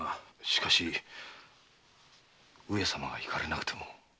しかし上様が行かれなくても。